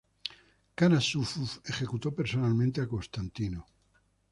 Kara Yusuf ejecutó personalmente a Constantino.